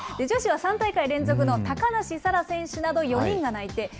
女子は３大会連続の高梨沙羅選手など、４人が内定。